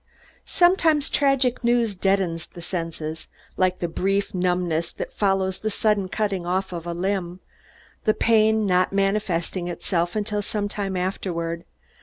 Sometimes, tragic news deadens the senses, like the brief numbness that follows the sudden cutting off of a limb, the pain not manifesting itself until some time afterward.